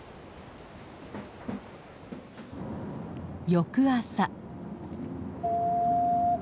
翌朝。